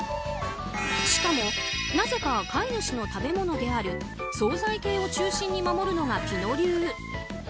しかも、なぜか飼い主の食べ物である総菜系を中心に守るのがピノ流。